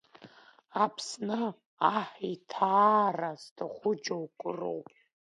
Аԥсны аҳ иҭаара зҭаху џьоукы роуп…